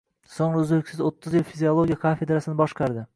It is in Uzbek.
So‘ngra uzluksiz o‘ttiz yil fiziologiya kafedrasini boshqardi